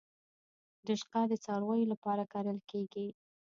رشقه د څارویو لپاره کرل کیږي